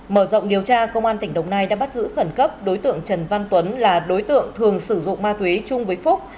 mở rộng điều tra công an tỉnh đồng nai đã bắt giữ khẩn cấp đối tượng trần văn tuấn là đối tượng thường sử dụng ma túy chung với phúc